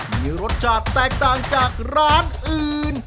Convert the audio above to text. มีรสชาติแตกต่างจากร้านอื่น